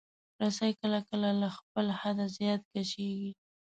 رسۍ کله کله له خپل حده زیات کشېږي.